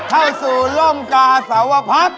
ให้สู่ร่มกาสวพักษณ์